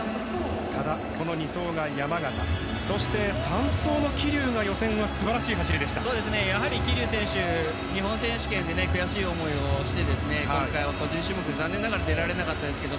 多田、２走が山縣そして３走の桐生が桐生選手は日本選手権で悔しい思いをして今回は個人種目は残念ながら出られなかったですけど